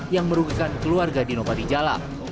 yang merugikan keluarga dino patijala